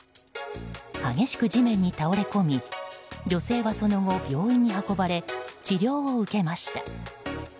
激しく地面に倒れ込み女性はその後、病院に運ばれ治療を受けました。